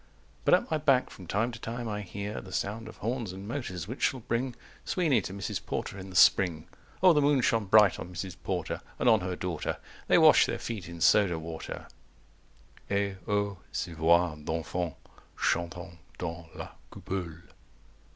195 But at my back from time to time I hear The sound of horns and motors, which shall bring Sweeney to Mrs. Porter in the spring. O the moon shone bright on Mrs. Porter And on her daughter 200 They wash their feet in soda water Et, O ces voix d'enfants, chantant dans la coupole!